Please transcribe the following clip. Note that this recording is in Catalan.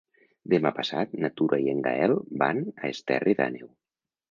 Demà passat na Tura i en Gaël van a Esterri d'Àneu.